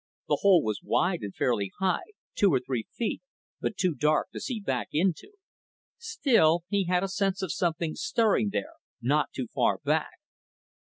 The hole was wide and fairly high, two or three feet, but too dark to see back into. Still, he had a sense of something stirring there not too far back.